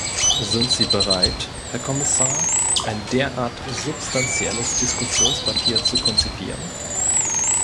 Sind Sie bereit, Herr Kommissar, ein derart substanzielles Diskussionspapier zu konzipieren?